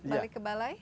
balik ke balai